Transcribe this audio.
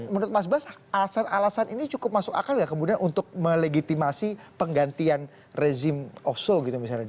menurut mas bas alasan alasan ini cukup masuk akal gak kemudian untuk melegitimasi penggantian rezim oso gitu misalnya